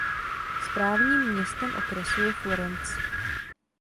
Správním městem okresu je Florence.